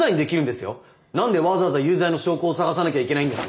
何でわざわざ有罪の証拠を探さなきゃいけないんです？